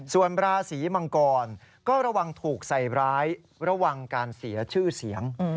ส่วนราศีมังกรก็ระวังถูกใส่ร้ายระวังการเสียชื่อเสียง